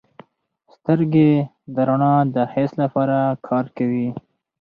سترګې د رڼا د حس لپاره کار کوي.